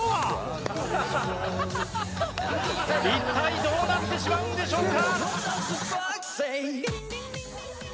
一体どうなってしまうんでしょうか？